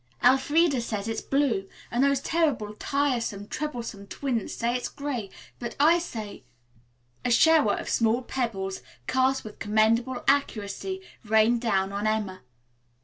Elfreda says it's blue, and those terrible, tiresome, troublesome twins say it's gray, but I say " A shower of small pebbles, cast with commendable accuracy, rained down on Emma.